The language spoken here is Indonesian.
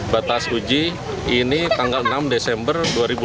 batas uji ini tanggal enam desember dua ribu dua puluh